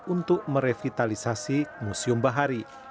untuk merevitalisasi museum bahari